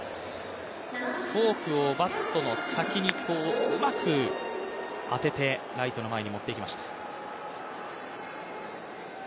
フォークをバットの先にうまく当ててライトの前に持って行きました。